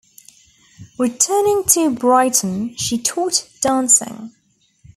Returning to Brighton, she taught dancing.